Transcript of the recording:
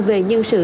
về nhân sự